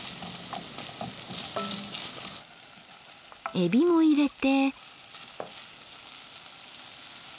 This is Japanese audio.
えびも入れて。